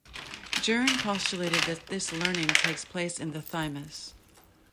Jerne postulated that this learning takes place in the thymus.